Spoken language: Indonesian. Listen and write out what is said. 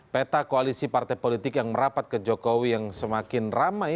peta koalisi partai politik yang merapat ke jokowi yang semakin ramai